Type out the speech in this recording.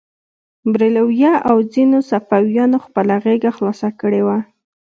بریلویه او ځینو صوفیانو خپله غېږه خلاصه کړې وه.